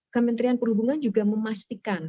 kementerian perhubungan juga memastikan